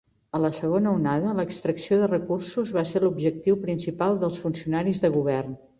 A la segona onada, l'extracció de recursos va ser l'objectiu principal dels funcionaris de govern.